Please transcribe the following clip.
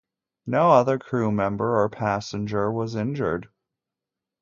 No other crew member or passenger was injured.